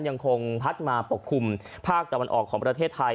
ยังคงพัดมาปกคลุมภาคตะวันออกของประเทศไทย